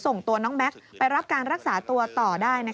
ส่งตัวน้องแม็กซ์ไปรับการรักษาตัวต่อได้